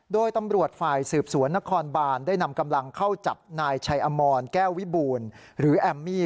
โดยตำรวจฝ่ายสืบสวนนครบานได้นำกำลังเข้าจับนายชัยอมรแก้ววิบูรณ์หรือแอมมี่